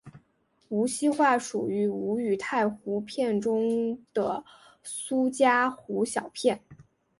无锡话属于吴语太湖片中的苏嘉湖小片。